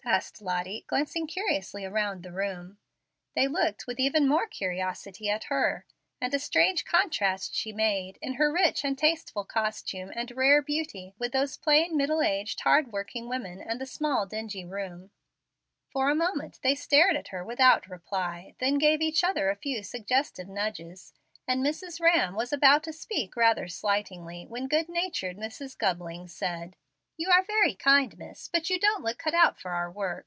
asked Lottie, glancing curiously around the room. They looked with even more curiosity at her; and a strange contrast she made, in her rich and tasteful costume and rare beauty, with those plain, middle aged, hard working women, and the small, dingy room. For a moment they stared at her without reply, then gave each other a few suggestive nudges; and Mrs. Rhamm was about to speak rather slightingly, when good natured Mrs. Gubling said: "You are very kind, miss, but you don't look cut out for our work.